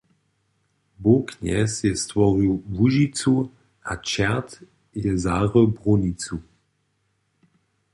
Bóh Knjez je stworił Łužicu a čert je zarył brunicu.